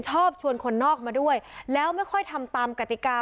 ชอบชวนคนนอกมาด้วยแล้วไม่ค่อยทำตามกติกา